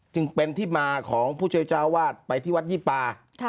จึงเป็นที่มาของผู้ช่วยเจ้าวาดไปที่วัดยี่ปา